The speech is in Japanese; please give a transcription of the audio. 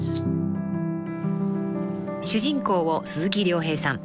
［主人公を鈴木亮平さん］